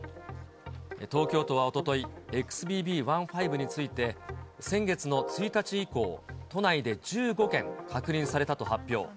東京都はおととい、ＸＢＢ．１．５について、先月の１日以降、都内で１５件確認されたと発表。